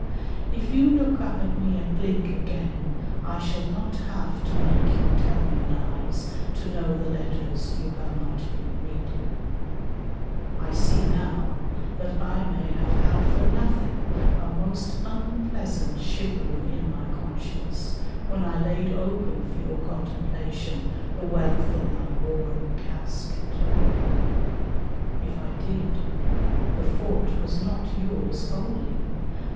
If you look up at me and blink again, I shall not have to make you tell me lies To know the letters you have not been reading. I see now that I may have had for nothing A most unpleasant shivering in my conscience When I laid open for your contemplation The wealth of my worn casket. If I did, The fault was not yours wholly.